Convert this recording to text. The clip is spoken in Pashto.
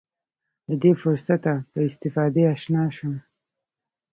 له دې فرصته په استفادې اشنا شم.